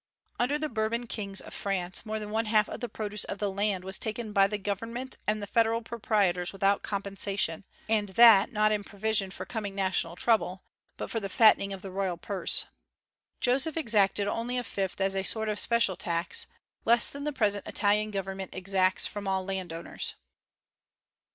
Under the Bourbon kings of France more than one half of the produce of the land was taken by the Government and the feudal proprietors without compensation, and that not in provision for coming national trouble, but for the fattening of the royal purse. Joseph exacted only a fifth as a sort of special tax, less than the present Italian government exacts from all landowners.